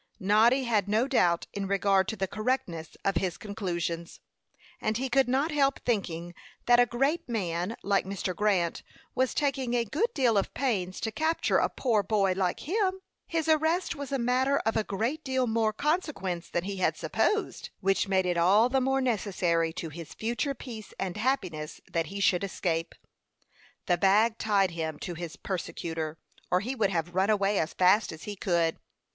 Noddy had no doubt in regard to the correctness of his conclusions; and he could not help thinking that a great man, like Mr. Grant, was taking a good deal of pains to capture a poor boy, like him. His arrest was a matter of a great deal more consequence than he had supposed, which made it all the more necessary to his future peace and happiness that he should escape. The bag tied him to his persecutor, or he would have run away as fast as he could.